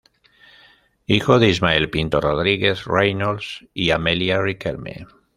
Hijo de Ismael Pinto Rodriguez-Reynolds y Amelia Riquelme.